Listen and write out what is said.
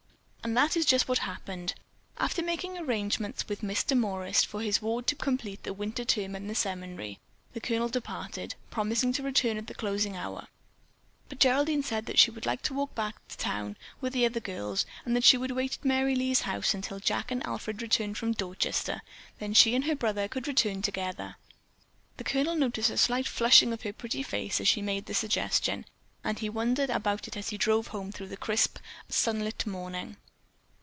And that is just what happened. After making arrangements with Miss Demorest for his ward to complete the winter term at the seminary, the Colonel departed, promising to return at the closing hour, but Geraldine said that she would like to walk to town with the other girls and that she would wait at Merry Lee's house until Jack and Alfred returned from Dorchester. Then she and her brother could return together. The Colonel noticed a slight flushing of her pretty face as she made the suggestion, and he wondered about it as he drove home through the crisp, sunlit morning.